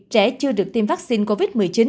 trẻ chưa được tiêm vaccine covid một mươi chín